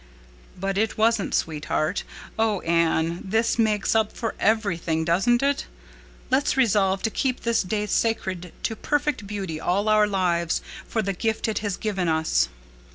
"But it wasn't, sweetheart. Oh, Anne, this makes up for everything, doesn't it? Let's resolve to keep this day sacred to perfect beauty all our lives for the gift it has given us."